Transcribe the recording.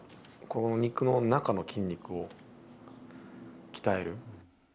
この肉の中の筋肉を鍛える。